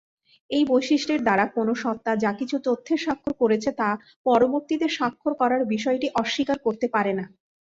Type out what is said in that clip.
এই বৈশিষ্ট্য দ্বারা, কোনও সত্তা যা কিছু তথ্যে স্বাক্ষর করেছে তা পরবর্তীতে স্বাক্ষর করার বিষয়টি অস্বীকার করতে পারে না।